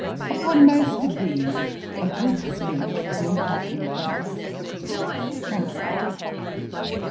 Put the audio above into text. Upon most of these a good speech will have influence.' JOHNSON.